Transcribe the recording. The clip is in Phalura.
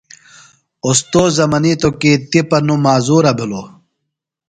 اوستوذہ منیتوۡ کی تِپہ نوۡ معذورہ بِھلوۡ۔